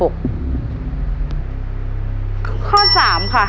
ข้อ๓ค่ะ๒๕๓๕